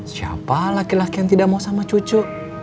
siapa laki laki yang tidak mau sama cucu